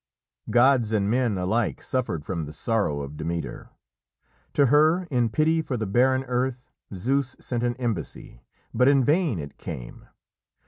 Gods and men alike suffered from the sorrow of Demeter. To her, in pity for the barren earth, Zeus sent an embassy, but in vain it came.